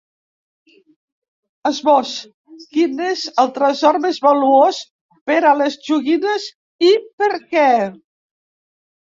Esbós: Quin és el tresor més valuós per a les joguines i per què?